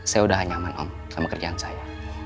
saya udah nyaman om sama kerjaan saya